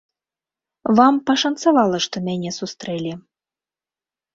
Вам пашанцавала, што мяне сустрэлі.